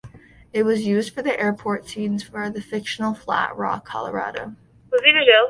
It was used for the airport scenes for the fictional Flat Rock, Colorado.